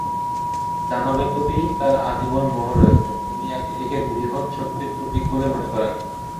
দানবের প্রতি তার আজীবন মোহ রয়েছে, তিনি একে বৃহৎ শক্তির প্রতীক বলে মনে করেন।